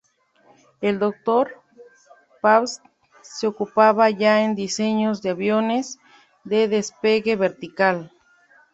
El doctor Pabst se ocupaba ya en diseños de aviones de despegue vertical.